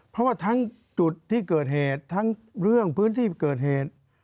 เพราะว่าทั้งจุดที่เกิดเหตุทั้งเรื่องพื้นที่เกิดเหตุ